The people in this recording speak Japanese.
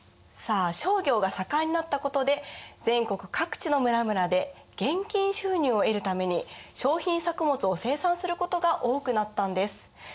さあ商業が盛んになったことで全国各地の村々で現金収入を得るために商品作物を生産することが多くなったんです。